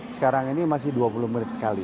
sekarang ini masih dua puluh menit sekali